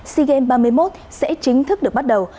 sea games ba mươi một sẽ chính thức được bắt đầu